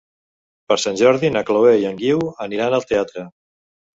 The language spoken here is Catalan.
Per Sant Jordi na Chloé i en Guiu aniran al teatre.